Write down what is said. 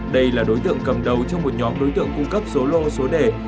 đây là đối tượng cầm đầu trong một nhóm đối tượng cung cấp số lô số đề